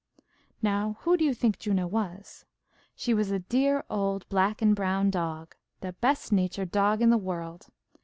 Now, who do you think Juno was? She was a dear old black and brown dog, the best natured dog in the world.